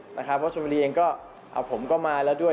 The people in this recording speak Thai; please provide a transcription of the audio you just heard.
เพราะว่าคุณชนบุรียังก็หากผมก็มาแล้วด้วย